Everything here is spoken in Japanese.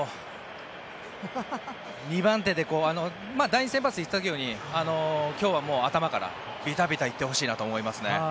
２番手で第２先発で行った時のように今日は頭からビタビタ行ってほしいと思います。